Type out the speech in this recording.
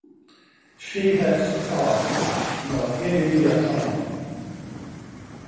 She has taught Mohiniyattam.